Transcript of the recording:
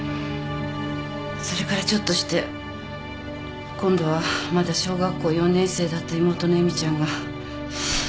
それからちょっとして今度はまだ小学校４年生だった妹の絵美ちゃんが。